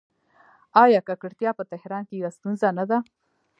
آیا ککړتیا په تهران کې یوه ستونزه نه ده؟